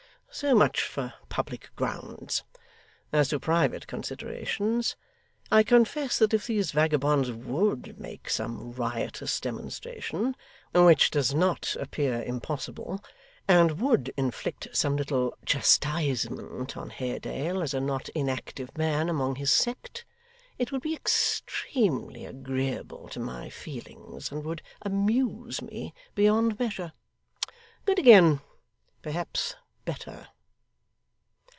So much for public grounds. As to private considerations, I confess that if these vagabonds WOULD make some riotous demonstration (which does not appear impossible), and WOULD inflict some little chastisement on Haredale as a not inactive man among his sect, it would be extremely agreeable to my feelings, and would amuse me beyond measure. Good again! Perhaps better!